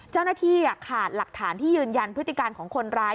เจ้าหน้าที่ขาดหลักฐานที่ยืนยันพฤติการของคนร้าย